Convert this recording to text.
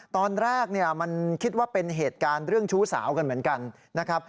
ตอนแรกเนี่ยมันคิดว่าเป็นเหตุการณ์เรื่องชู้สาวกันเหมือนกันนะครับ